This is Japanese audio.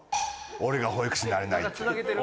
俺が保育士なれないって。